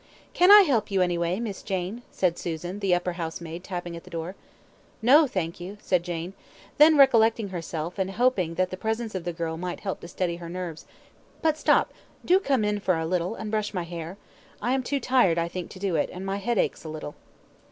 "Can I help you, any way, Miss Jane?" said Susan, the upper housemaid, tapping at the door. "No, thank you," said Jane: then recollecting herself, and hoping that the presence of the girl might help to steady her nerves "but stop, do come in for a little, and brush my hair. I am too tired, I think, to do it; and my head aches a little."